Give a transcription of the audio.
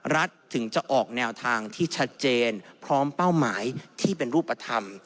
ถึงจะออกแนวทางที่ชัดเจนพร้อมเป้าหมายที่เป็นรูปธรรม